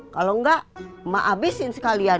kalau enggak emak abisin sekalian